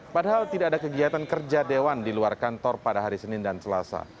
padahal tidak ada kegiatan kerja dewan di luar kantor pada hari senin dan selasa